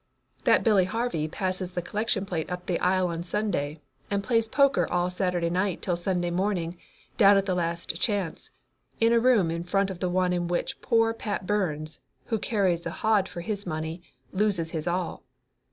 "That Billy Harvey passes the collection plate up the aisle on Sunday and plays poker all Saturday night till Sunday morning down at the Last Chance, in a room in front of the one in which poor Pat Burns, who carries a hod for his money, loses his all.